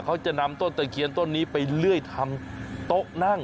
เขาจะนำต้นตะเคียนต้นนี้ไปเลื่อยทำโต๊ะนั่ง